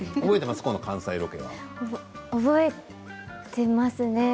覚えてますね。